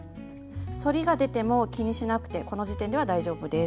反りが出ても気にしなくてこの時点では大丈夫です。